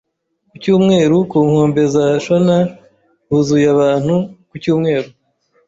Ku cyumweru, ku nkombe za Shonan huzuye abantu ku cyumweru.